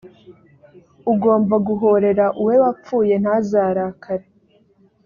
ugomba guhorera uwe wapfuye ntazarakare,